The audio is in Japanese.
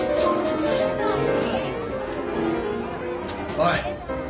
おい。